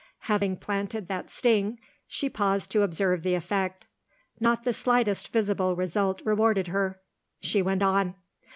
Having planted that sting, she paused to observe the effect. Not the slightest visible result rewarded her. She went on.